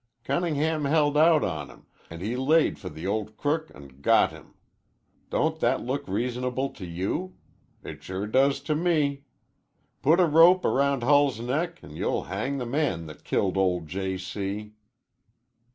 Cunningham held out on him, an' he laid for the old crook an' got him. Don't that look reasonable to you? It sure does to me. Put a rope round Hull's neck an' you'll hang the man that killed old J. C."